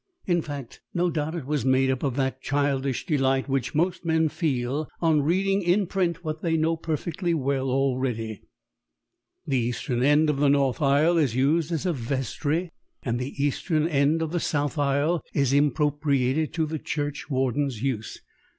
In fact, no doubt it was made up of that childish delight which most men feel on reading in print what they know perfectly well already. "The eastern end of the north aisle is used as a vestry, and the eastern end of the south aisle is impropriated to the church warden's use."